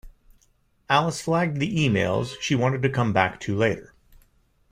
Alice flagged the emails she wanted to come back to later